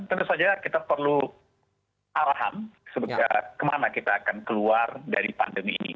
tentu saja kita perlu arahan kemana kita akan keluar dari pandemi ini